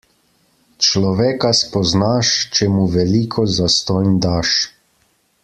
Človeka spoznaš, če mu veliko zastonj daš.